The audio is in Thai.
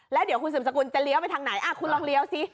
แล้วเดี๋ยวคุณสืบสกุลจะเลี้ยวไปทางไหนคุณลองเลี้ยวสิ